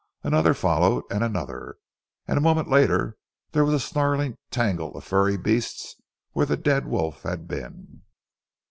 Another followed and another, and a moment later there was a snarling tangle of furry beasts where the dead wolf had been.